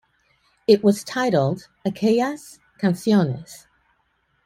It was titled Aquellas Canciones!